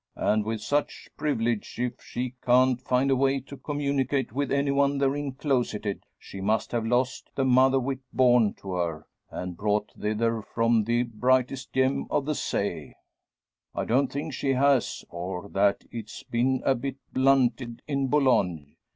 And with such privilege, if she can't find a way to communicate with any one therein closeted, she must have lost the mother wit born to her, and brought thither from the `brightest gem of the say.' I don't think she has, or that it's been a bit blunted in Boulogne.